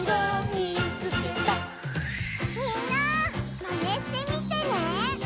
みんなマネしてみてね！